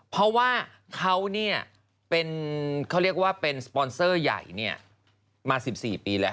เพราะว่าเขาเป็นสปอนเซอร์ใหญ่มา๑๔ปีแล้ว